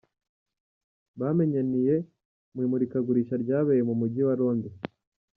Bamenyaniye mu imurikagurisha ryabereye mu mujyi wa Londres.